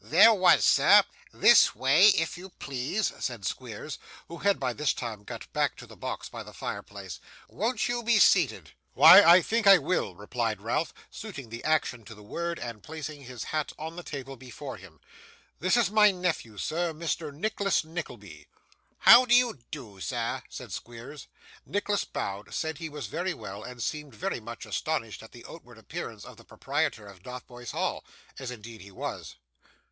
'There was, sir. This way, if you please,' said Squeers, who had by this time got back to the box by the fire place. 'Won't you be seated?' 'Why, I think I will,' replied Ralph, suiting the action to the word, and placing his hat on the table before him. 'This is my nephew, sir, Mr Nicholas Nickleby.' 'How do you do, sir?' said Squeers. Nicholas bowed, said he was very well, and seemed very much astonished at the outward appearance of the proprietor of Dotheboys Hall: as indeed he was.